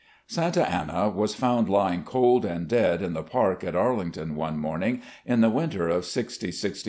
Santa Anna was found lying cold and dead in the park at Arlington one morning in the winter of '60 6 1 .